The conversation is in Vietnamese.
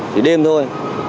chỉ đêm thôi